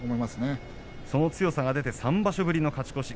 その強さが出て３場所ぶりの勝ち越し